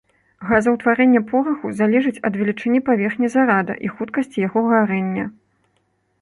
Газаўтварэнне пораху залежыць ад велічыні паверхні зарада і хуткасці яго гарэння.